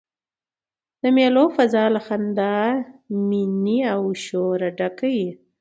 د مېلو فضاء له خندا، میني او شوره ډکه يي.